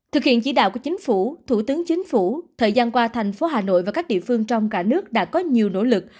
thực hiện chỉ đạo của chính phủ thủ tướng chính phủ thời gian qua thành phố hà nội và các địa phương trong cả nước đã có nhiều nỗ lực